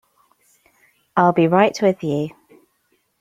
I'll be right with you.